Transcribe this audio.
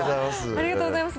ありがとうございます。